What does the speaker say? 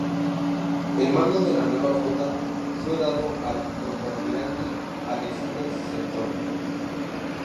El mando de la nueva flota fue dado al contralmirante Aleksander Seton.